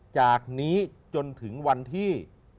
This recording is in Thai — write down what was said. จากนี้จนถึงวันที่